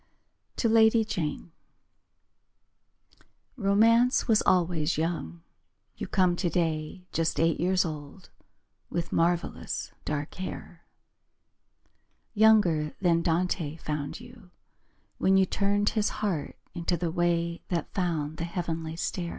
To Lady Jane Romance was always young. You come today Just eight years old With marvellous dark hair. Younger than Dante found you When you turned His heart into the way That found the heavenly stair.